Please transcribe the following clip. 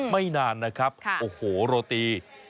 ไม่นานนะครับโอ้โหโรตี